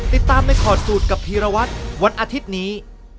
ติดตามในขอดสูตรกับพีรวัตรวันอาทิตย์นี้